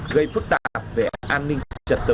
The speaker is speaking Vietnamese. gây phức tạp về an ninh trật tự